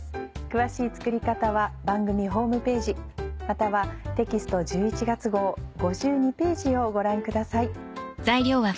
詳しい作り方は番組ホームページまたはテキスト１１月号５２ページをご覧ください。